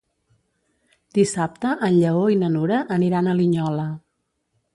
Dissabte en Lleó i na Nura aniran a Linyola.